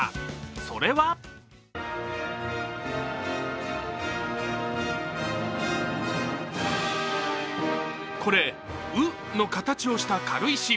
それはこれ、「ウ」の形をした軽石。